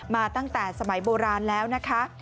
มาตั้งแต่สมัยโบราณแล้วนะคะ